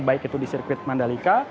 baik itu di sirkuit mandalika